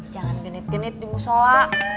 jangan genit genit di musola